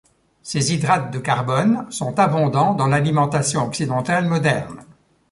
Ces hydrates de carbone sont abondants dans l'alimentation occidentale moderne.